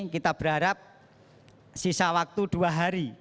kita berharap sisa waktu dua hari